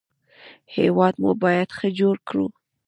هېواد مو باید ښه جوړ کړو